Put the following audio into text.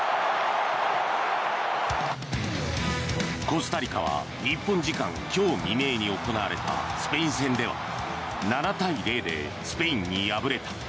コスタリカは日本時間今日未明に行われたスペイン戦では７対０でスペインに敗れた。